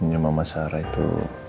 cuma mas sarah itu